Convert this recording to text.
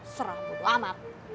serah gue lama